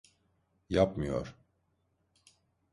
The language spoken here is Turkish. Yapmıyor.